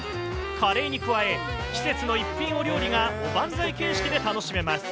カレーに加え、季節の一品料理がおばんざい形式で楽しめます。